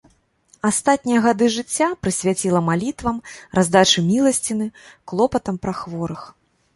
Астатнія гады жыцця прысвяціла малітвам, раздачы міласціны, клопатам пра хворых.